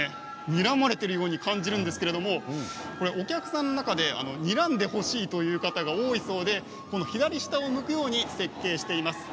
にらまれているように感じているんですけどお客さんの中でにらんでほしいという方が多いそうで左下を向くように設計しています。